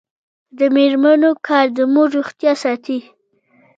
د میرمنو کار د مور روغتیا ساتي.